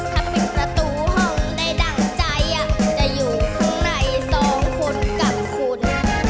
ถ้าปิดประตูห้องในดั่งใจจะอยู่ข้างในสองคนกับคุณ